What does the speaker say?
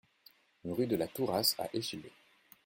Rue de la Tourasse à Échillais